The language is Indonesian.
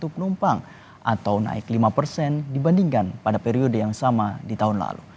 satu ratus enam puluh tujuh tujuh ratus satu penumpang atau naik lima dibandingkan pada periode yang sama di tahun lalu